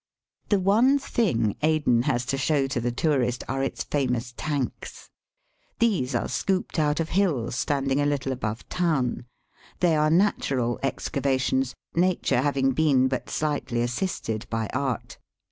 The one thing Aden has to show to the Digitized by VjOOQIC 344 EAST BT WEST, tourist are its famous tanks. These are scooped out of hills standing a httle above town. They are natural excavations, nature having been but shghtly assisted by art.